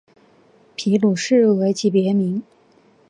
皮鲁士为其别名。